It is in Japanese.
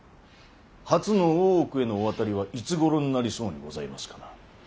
初の大奥へのお渡りはいつごろになりそうにございますかな。